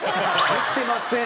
言ってません。